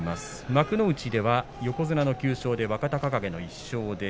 幕内では横綱の９勝で若隆景の１勝。